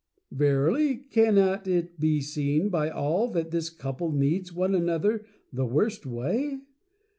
"Verily, cannot it be seen by all that this Couple needs One Another the worst way?